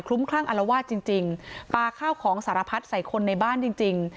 คลั่งอารวาสจริงปลาข้าวของสารพัดใส่คนในบ้านจริงจริง